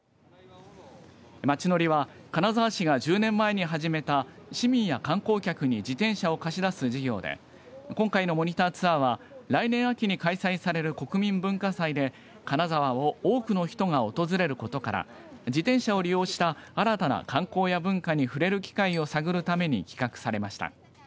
まちのりは金沢市が１０年前に始めた市民や観光客に自転車を貸し出す事業で今回のモニターツアーは来年秋に開催される国民文化祭で金沢を多くの人が訪れることから自転車を利用した新たな観光や文化に触れるための機会を探るために企画されました。